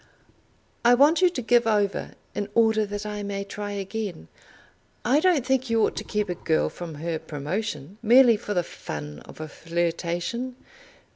"I want you to give over in order that I may try again. I don't think you ought to keep a girl from her promotion, merely for the fun of a flirtation.